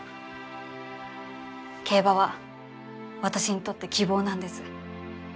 競馬は私にとって希望なんです。